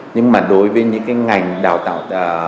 nhưng mà đối với những ngành đào tạo